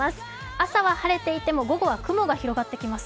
朝は晴れていても午後は雲が広がってきます。